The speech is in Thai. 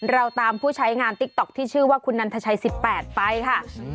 เราตามผู้ใช้งานติ๊กต๊อกที่ชื่อว่าคุณนันทชัย๑๘ไปค่ะ